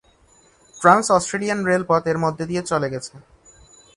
Trans-Australian রেলপথ এর মধ্য দিয়ে চলে গেছে।